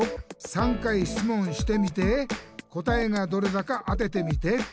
「３回しつもんしてみて答えがどれだか当ててみて！」